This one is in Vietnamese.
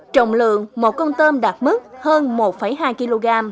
trọng lượng một con tôm đạt mức hơn một hai kg